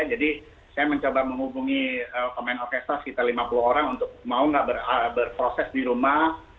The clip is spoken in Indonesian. jadi saya mencoba menghubungi pemain orkestra sekitar lima puluh orang untuk mau nggak berproses di rumah